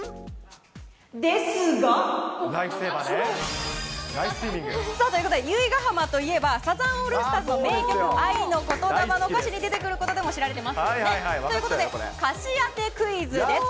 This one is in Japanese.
ナイススイミング。ということで由比ガ浜といえばサザンオールスターズの名曲、愛の言霊の歌詞にも出てくることで知られていますよね。ということで、歌詞当てクイズです。